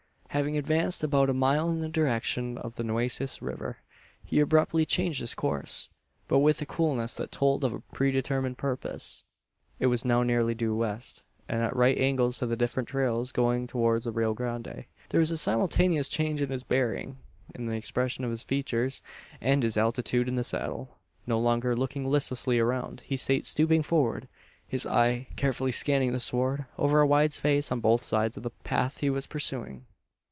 Having advanced about a mile in the direction of the Nueces river, he abruptly changed his course; but with a coolness that told of a predetermined purpose. It was now nearly due west, and at right angles to the different trails going towards the Rio Grande. There was a simultaneous change in his bearing in the expression of his features and his attitude in the saddle. No longer looking listlessly around, he sate stooping forward, his eye carefully scanning the sward, over a wide space on both sides of the path he was pursuing.